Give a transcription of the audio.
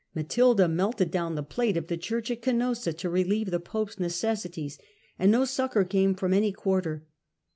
Matilda melted down the plate of the church at Canossa to relieve the pope's necessities, and no succour came from any quarter.